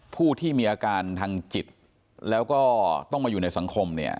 ผู้ที่มีอาการทางจิตแล้วก็ต้องมาอยู่ในสังคมเนี่ย